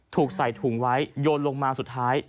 ถูกใส่ถุงไว้โยนลงมาสุดท้าย